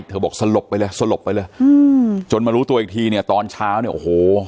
บอกสลบไปเลยสลบไปเลยอืมจนมารู้ตัวอีกทีเนี่ยตอนเช้าเนี่ยโอ้โห